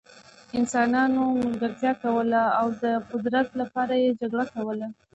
انسانانو ملګرتیا کوله او د قدرت لپاره یې جګړه کوله.